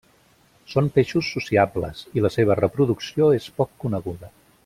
Són peixos sociables i la seva reproducció és poc coneguda.